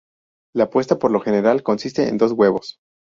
La puesta por lo general consiste de dos huevos.